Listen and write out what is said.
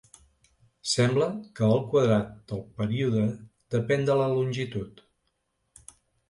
Sembla que el quadrat del període depèn de la longitud.